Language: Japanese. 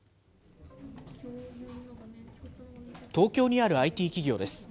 東京にあるＩＴ企業です。